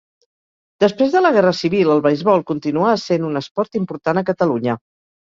Després de la guerra civil el beisbol continuà essent un esport important a Catalunya.